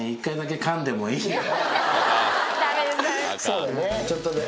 そうだね。